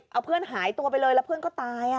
เอาเพื่อนหายตัวไปเลยแล้วเพื่อนก็ตาย